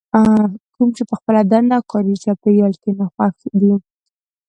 کوم چې په خپله دنده او کاري چاپېريال کې ناخوښ دي.